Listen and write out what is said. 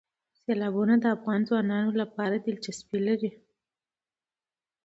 سیلابونه د افغان ځوانانو لپاره دلچسپي لري.